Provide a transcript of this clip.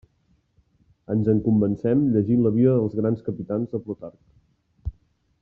Ens en convencem llegint la Vida dels grans capitans de Plutarc.